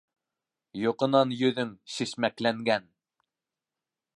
Йоҡонан йөҙөң шешмәкләнгән